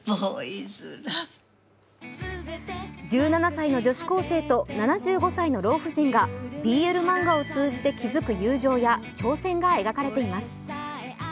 １７歳の女子高生と７５歳の老婦人がＢＬ漫画を通じて築く友情や挑戦が描かれています。